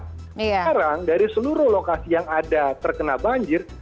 sekarang dari seluruh lokasi yang ada terkena banjir